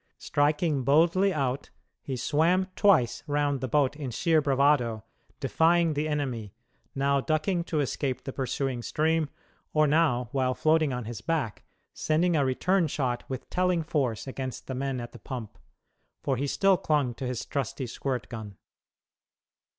Striking boldly out, he swam twice round the boat in sheer bravado, defying the enemy; now ducking to escape the pursuing stream, or now, while floating on his back, sending a return shot with telling force against the men at the pump for he still clung to his trusty squirt gun.